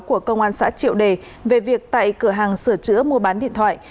của công an xã triệu đề về việc tại cửa hàng sửa chữa mua bán điện thoại